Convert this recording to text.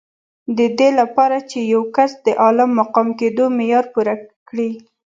د دې لپاره چې یو کس د عالي مقام کېدو معیار پوره کړي.